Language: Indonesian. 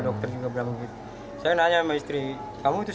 dokter yang sempat menangani bayi tersebut